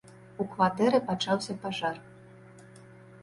У кватэры пачаўся пажар.